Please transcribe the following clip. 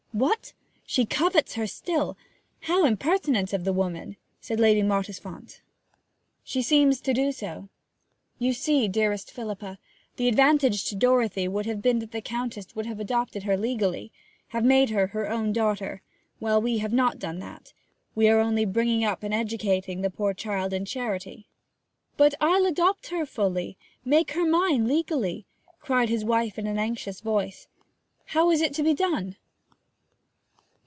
'What she covets her still? How impertinent of the woman!' said Lady Mottisfont. 'She seems to do so ... You see, dearest Philippa, the advantage to Dorothy would have been that the Countess would have adopted her legally, and have made her as her own daughter; while we have not done that we are only bringing up and educating a poor child in charity.' 'But I'll adopt her fully make her mine legally!' cried his wife in an anxious voice. 'How is it to be done?'